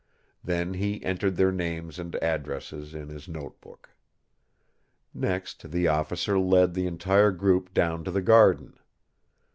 Then he entered their names and addresses in his note book. Next the officer lead the entire group down to the garden.